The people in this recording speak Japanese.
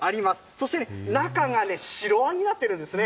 そしてね、中がね、白あんになってるんですね。